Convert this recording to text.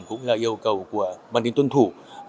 cũng là yêu cầu của văn minh tuân thủ